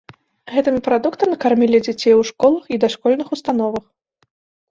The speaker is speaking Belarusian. Гэтымі прадуктамі кармілі дзяцей у школах і дашкольных установах.